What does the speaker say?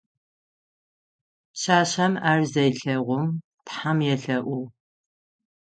Пшъашъэм ар зелъэгъум тхьэм елъэӏугъ.